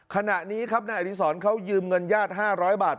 ขณะนี้ครับนายอดีศรเขายืมเงินญาติ๕๐๐บาท